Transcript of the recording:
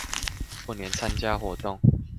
過年參加活動